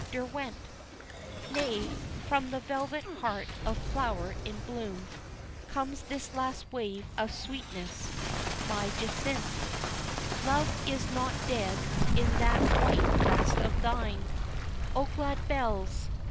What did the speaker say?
Derwent: "Nay, from the velvet heart of flower in bloom Comes this last wave of sweetness; My Jacynth, Love is not dead in that white breast of thine, O glad bells!